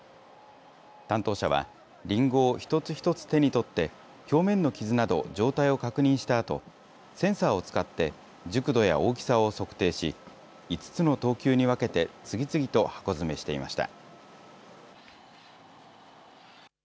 担当者は、りんごを一つ一つ手に取って表面の傷など状態を確認したあと、センサーを使って熟度や大きさを測定し、５つの等級に分けて、次々と箱詰めしていました。